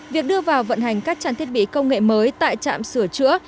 việc đưa vào vận hành các trang thiết bị công nghệ mới tại trạm sửa chữa